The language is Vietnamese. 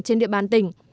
trên địa bàn tỉnh